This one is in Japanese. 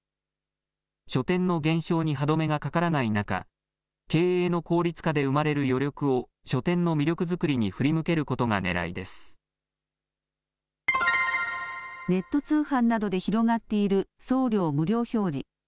書店の減少に歯止めがかからない中経営の効率化で生まれる余力を書店の魅力づくりにネット通販などで広がっている送料無料表示。